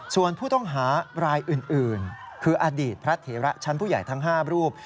ส่วนผู้ต้องหารายอื่นคืออดีตพระเถระชั้นผู้ใหญ่ทั้ง๕รูป